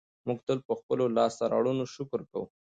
موږ تل په خپلو لاسته راوړنو شکر کوو.